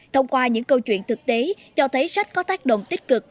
thông qua những câu chuyện thực tế cho thấy sách có tác động tích cực